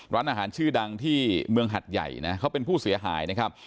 ร้านอาหารชื่อดังที่เมืองหัดใหญ่นะเขาเป็นผู้เสียหายนะครับ